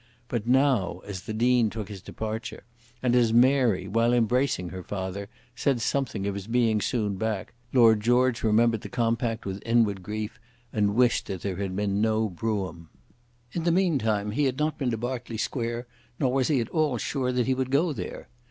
But now, as the Dean took his departure, and as Mary, while embracing her father, said something of his being soon back, Lord George remembered the compact with inward grief, and wished that there had been no brougham. In the mean time he had not been to Berkeley Square; nor was he at all sure that he would go there.